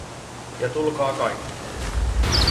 Ja tulkaa kaikki.